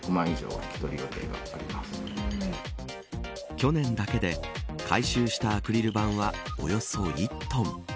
去年だけで回収したアクリル板はおよそ１トン。